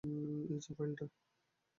এই যে ফাইলটা।